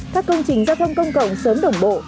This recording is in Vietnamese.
các công trình giao thông công cộng sớm đồng bộ